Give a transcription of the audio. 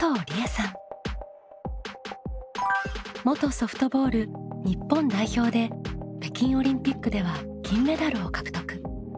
元ソフトボール日本代表で北京オリンピックでは金メダルを獲得。